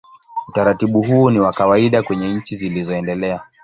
Utaratibu huu ni wa kawaida kwenye nchi zilizoendelea.